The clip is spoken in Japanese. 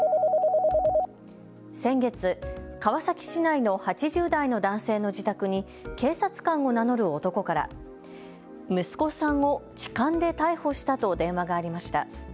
先月、川崎市内の８０代の男性の自宅に警察官を名乗る男から息子さんを痴漢で逮捕したと電話がありました。